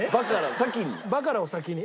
バカラを先に。